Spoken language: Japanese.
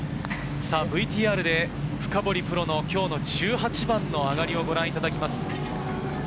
ＶＴＲで深堀プロの１８番の上がりをご覧いただきます。